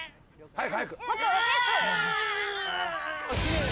はい！